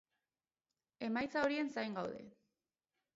Emaitza horien zain gaude.